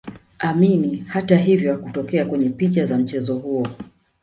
Amin hatahivyo hakutokea kwenye picha za mchezo huo